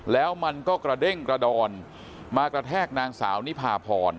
แล้วมันก็กระเด้งกระดอนมากระแทกนางสาวนิพาพร